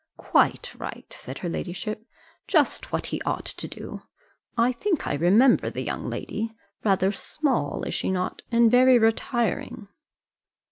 "Quite right," said her ladyship, "just what he ought to do. I think I remember the young lady; rather small, is she not, and very retiring?"